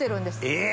え！